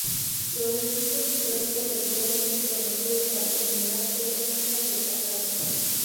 Los registros históricos emplean hechos conocidos para señalar fechas fijas del pasado.